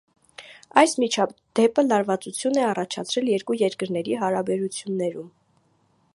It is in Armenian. Այս միջադեպը լարվածություն է առաջացրել երկու երկրների հարաբերություններում։